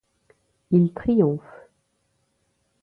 Il triomphe.